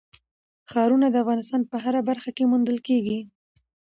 ښارونه د افغانستان په هره برخه کې موندل کېږي.